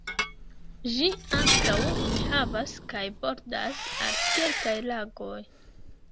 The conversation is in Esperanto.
Gi ankaŭ enhavas kaj bordas al kelkaj lagoj.